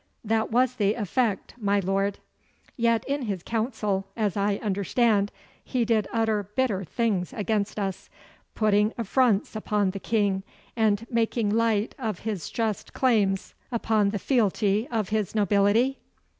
'That was the effect, my lord.' 'Yet in his council, as I understand, he did utter bitter things against us, putting affronts upon the King, and making light of his just claims upon the fealty of his nobility?